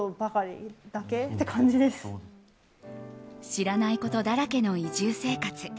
知らないことだらけの移住生活。